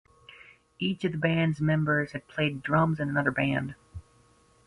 Each of the band's members had played drums in another band.